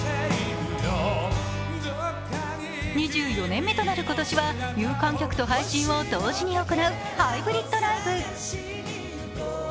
２４年目となる今年は有観客と配信を同時に行うハイブリッドライブ。